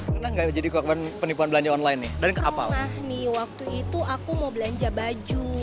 pernah enggak jadi keakban penipuan belanja online dari ke apa nih waktu itu aku mau belanja baju